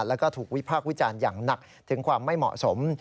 แล้วก็ถูกวิพากษ์วิจารณ์อย่างหนักถึงความไม่เหมาะสม